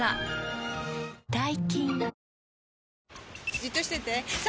じっとしてて３！